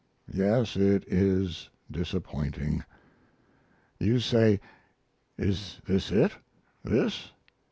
Yes, it is disappointing. You say, "Is this it? this?